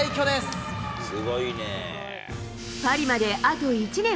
パリまであと１年。